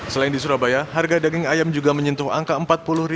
selain di surabaya harga daging ayam juga menyentuh angka rp empat puluh